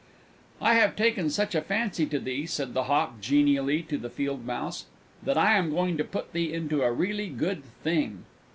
"I have taken such a fancy to thee," said the Hawk genially to the Field Mouse, "that I am going to put thee into a really good thing."